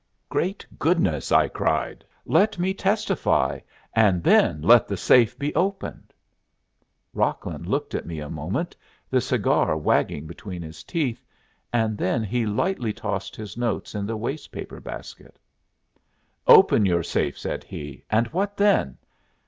"Great goodness!" I cried. "Let me testify, and then let the safe be opened." Rocklin looked at me a moment, the cigar wagging between his teeth, and then he lightly tossed his notes in the waste paper basket. "Open your safe," said he, "and what then?